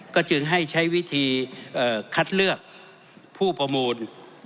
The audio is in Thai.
ก็จึงให้ใช้วิธีคัดเลือกผู้ประมูล